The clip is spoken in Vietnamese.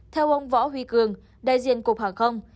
theo ông võ huy cường đại diện cục hàng không